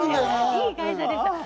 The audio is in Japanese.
いい会社です。